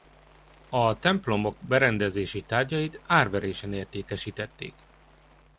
A templomok berendezési tárgyait árverésen értékesítették.